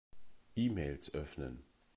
E-Mails öffnen.